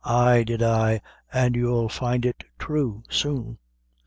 Ay did I, and you'll find it true soon."